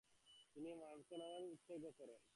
তিনি মানবকল্যাণের উৎসর্গ করেন।